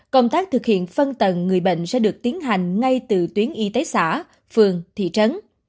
công tác thực hiện phân tầng người bệnh sẽ được tiến hành ngay từ tuyến y tế xã phường thị trấn